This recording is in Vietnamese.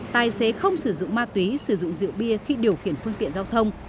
tài xế không sử dụng ma túy sử dụng rượu bia khi điều khiển phương tiện giao thông